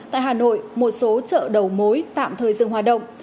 tại hà nội một số chợ đầu mối tạm thời dừng hoạt động